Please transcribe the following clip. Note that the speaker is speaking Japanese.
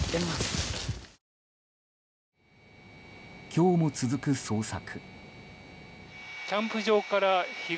今日も続く捜索。